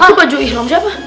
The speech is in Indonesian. itu baju ihram siapa